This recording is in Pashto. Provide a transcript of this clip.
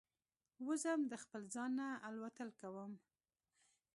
وزم د خپل ځانه الوتل کوم